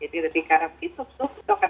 jadi lebih karam gitu itu akan